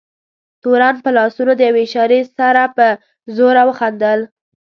تورن په لاسونو د یوې اشارې سره په زوره وخندل.